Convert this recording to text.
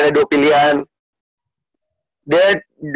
dia di jafres undipnya kan ga sempet